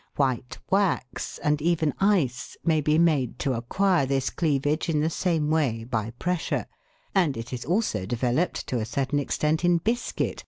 White wax, and even ice, may be made to acquire this cleavage in the same way by pressure, and it is also developed to a certain extent in biscuit by Fig.